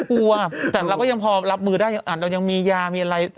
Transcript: กลัวแต่เราก็ยังพอรับมือได้เรายังมียามีอะไร